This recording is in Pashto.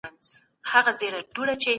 خلګو مخکي مهارتونه زده کړي وو.